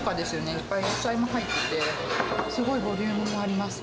いっぱい野菜も入ってて、すごいボリュームもあります。